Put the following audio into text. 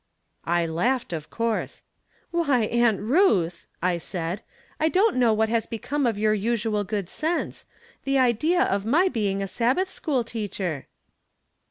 I laughed, of course. " Why, Aunt Ruth I " I said. " I don't know what has become of your usual good sense. The idea of my being a Sabbath school teacher